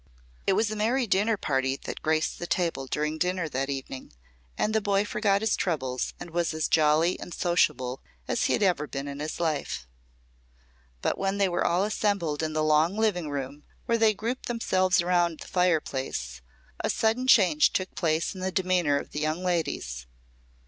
It was a merry dinner party that graced the table during dinner that evening, and the boy forgot his troubles and was as jolly and sociable as he had ever been in his life. But when they were all assembled in the long living room where they grouped themselves around the fireplace, a sudden change took place in the demeanor of the young ladies.